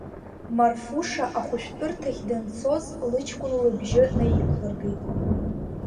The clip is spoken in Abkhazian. Марфуша ахәышәтәырҭахь данцоз, лыҷкәын лыбжьы наиқәлыргеит…